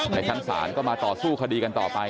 ชั้นศาลก็มาต่อสู้คดีกันต่อไป